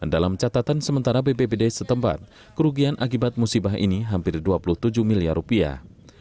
dalam catatan sementara bpbd setempat kerugian akibat musibah ini hampir dua puluh tujuh miliar rupiah